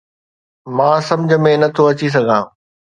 مان سمجهه ۾ نٿو اچي سگهان